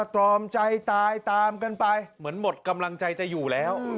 ตรอมใจตายตามกันไปเหมือนหมดกำลังใจจะอยู่แล้ว